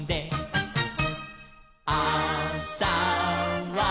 「あさは」